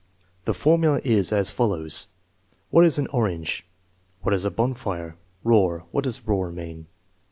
The formula is as follows: "What is an orange?" " What is a bonfire ?"" Roar; what does roar mean